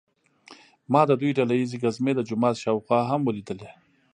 ما د دوی ډله ییزې ګزمې د جومات شاوخوا هم ولیدلې.